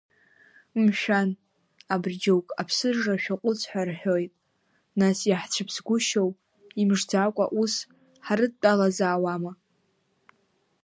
Мшәан, абри џьоук аԥсыжра шәаҟәыҵ ҳәа рҳәоит, нас иаҳцәыԥсгәышьо, имжӡакәа ус ҳрыдтәалазаауама!